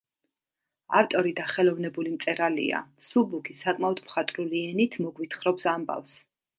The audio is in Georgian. ავტორი დახელოვნებული მწერალია; მსუბუქი, საკმაოდ მხატვრული ენით მოგვითხრობს ამბავს.